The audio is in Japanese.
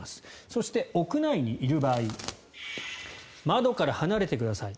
そして、屋内にいる場合窓から離れてください